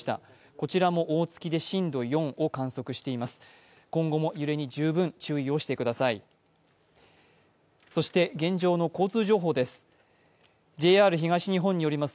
こちらも大月で震度４を観測シチエます。